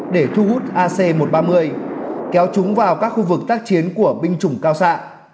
để thu hút ac một trăm ba mươi kéo chúng vào các khu vực tác chiến của binh chủng cao xạ